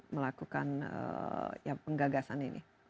melakukan ya penggagasan ini